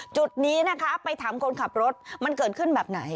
จุดนี้นะคะไปถามคนขับรถมันเกิดขึ้นแบบไหน